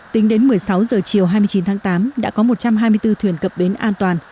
tính đến một mươi sáu h chiều hai mươi chín tháng tám đã có một trăm hai mươi bốn thuyền cập đến an toàn